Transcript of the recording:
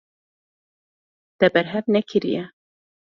Te berhev nekiriye.